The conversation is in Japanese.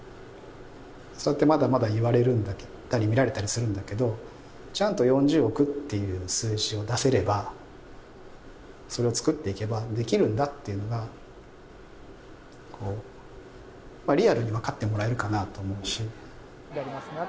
そうやってまだまだ言われたり見られたりするんだけどちゃんと４０億円という数字を出せればそれを作っていけばできるんだというのがリアルに分かってもらえるかなと思うし。